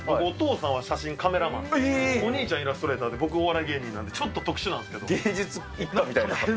お父さんは写真、カメラマン、お兄ちゃん、イラストレーターで、僕、お笑い芸人なんで、ちょっと芸術一家みたいな。